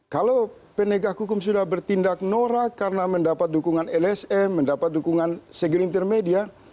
kalau penegak hukum sudah bertindak nora karena mendapat dukungan lsm mendapat dukungan segelintir media